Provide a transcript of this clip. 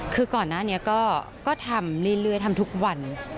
คือก่อนหน้านี้ก็ทำเรื่อยทำทุกวัน